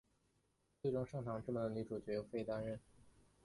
最终圣堂之门的女主角由飞担任。